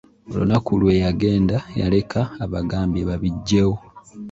Olunaku lwe yagenda yaleka abagambye babiggyewo.